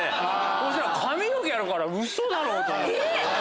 そしたら髪の毛あるからウソだろ？と思って。